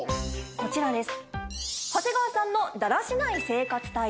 こちらです。